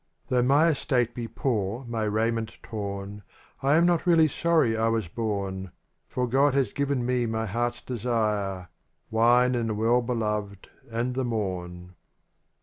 L i HOUGH my estate be poor, my raiment torn, I am not really sorry I was born. For God has given me my heart's desire — Wine and the Well Beloved and the morn.